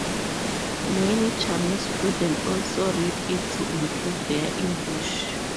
Many Chinese students also read it to improve their English.